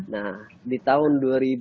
nah di tahun dua ribu tujuh belas